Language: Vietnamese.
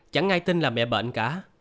chẳng ai tin là mẹ bệnh cả